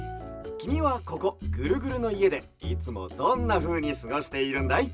きみはここぐるぐるのいえでいつもどんなふうにすごしているんだい？